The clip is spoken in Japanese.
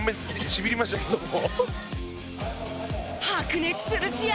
白熱する試合。